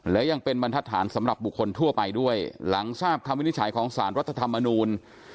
และยังเป็นบรรทัศนสำหรับบุคคลทั่วไปด้วยหลังทราบคำวินิจฉัยของสารรัฐธรรมนูล